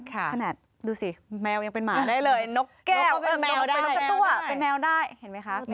ขนาดดูสิแมวยังเป็นหมาได้เลยนกแก้วนกตัวเป็นแมวได้เห็นไหมคะ